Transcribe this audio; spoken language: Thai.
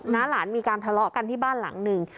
้าหลานมีการทะเลาะกันที่บ้านหลังหนึ่ง